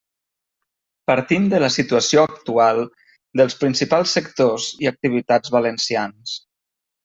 Partim de la situació actual dels principals sectors i activitats valencians.